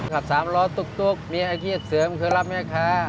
ขัด๓รถตุ๊กมีอาทิตย์เสริมคือรับแม่ค้า